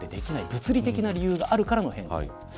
物理的な理由があるからこその変更。